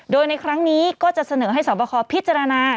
โดยในครั้งนี้ก็จะเสนอให้สอบคอพิจารณา